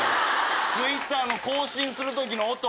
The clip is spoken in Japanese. ツイッター更新する時の音。